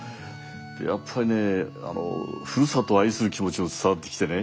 でやっぱりねあのふるさとを愛する気持ちも伝わってきてね